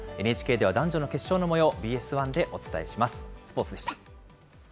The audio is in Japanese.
ＮＨＫでは、男女の決勝のもよう、ＢＳ１でお伝えします。